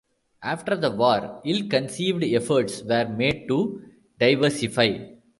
After the war, ill-conceived efforts were made to diversify.